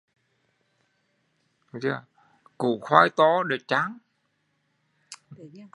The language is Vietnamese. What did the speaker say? Củ khoai to đại chang